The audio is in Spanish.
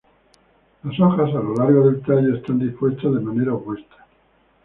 Las hojas a lo largo del tallo están dispuestas de manera opuesta.